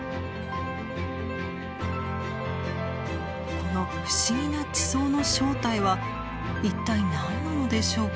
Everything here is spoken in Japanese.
この不思議な地層の正体は一体何なのでしょうか？